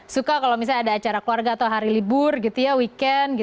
suka kalau misalnya ada acara keluarga atau hari libur gitu ya weekend